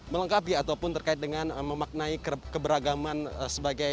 melengkapi ataupun terkait dengan memaknai keberagaman sebagai